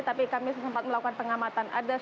tapi kami sempat melakukan pengamatan